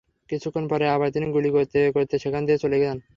কিছুক্ষণ পরে আবার তিনি গুলি করতে করতে সেখান দিয়ে চলে যান।